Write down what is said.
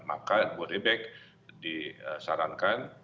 maka bu rebek disarankan